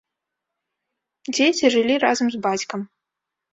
Дзеці жылі разам з бацькам.